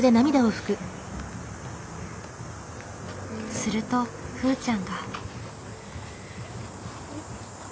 するとふーちゃんが。